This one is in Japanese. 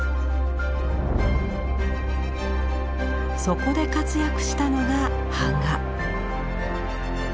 そこで活躍したのが版画。